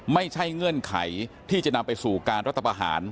เงื่อนไขที่จะนำไปสู่การรัฐประหาร